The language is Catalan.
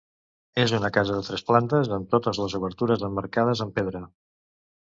És una casa de tres plantes amb totes les obertures emmarcades amb pedra.